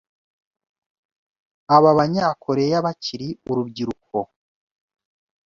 Aba Banya-Korea bakiri urubyiruko